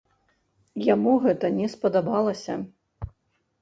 Яму гэта не спадабалася.